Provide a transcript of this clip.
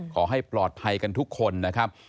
ขอให้ปลอดภัยกันทุกคนนะครับ